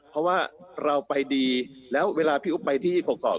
เพราะว่าเราไปดีแล้วเวลาพี่อุ๊บไปที่กรอก